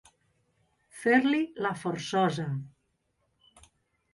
Fer-li la forçosa.